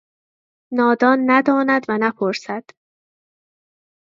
نادان نداند و نپرسد!